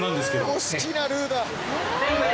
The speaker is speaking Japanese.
好きなルーだ！